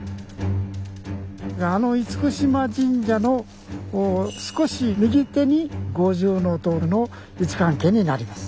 あの嚴島神社の少し右手に五重塔の位置関係になります。